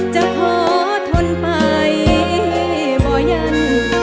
จะขอทนไปบ่ยัน